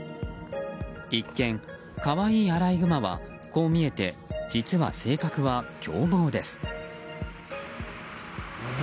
一見可愛いアライグマはこう見えて実は性格は凶暴です。